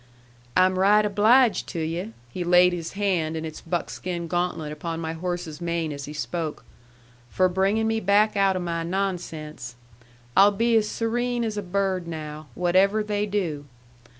"I'm right obliged to yu'," he laid his hand in its buckskin gauntlet upon my horse's mane as he spoke, "for bringing me back out o' my nonsense. I'll be as serene as a bird now whatever they do.